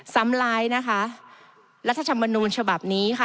ซ้ำลายรัฐธรรมนูญฉบับนี้